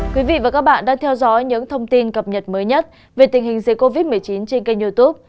các bạn đã theo dõi những thông tin cập nhật mới nhất về tình hình dây covid một mươi chín trên kênh youtube